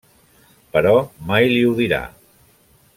Però mai li ho dirà.